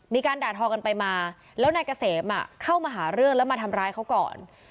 มีการด่าทอกันไปมาแล้วนายเกษมเข้ามาหาเรื่องแล้วมาทำร้ายเขาก่อน